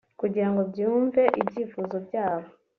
kugirango byumve ibyifuzo byabo